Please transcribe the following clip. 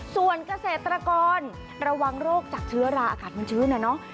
ส่วนเกษตรกรระวังโรคจากเชื้อราอากาศมันชื้นนะเนาะ